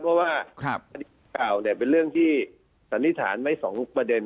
เพราะว่าประดิษฐ์ประกาศเป็นเรื่องที่สันนิษฐานไว้๒ประเด็น